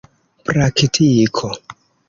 praktiko